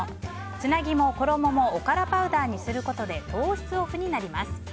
つなぎも衣もおからパウダーにすることで糖質オフになります。